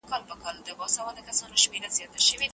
نارینه وو په دولتي ادارو کي کار کاوه.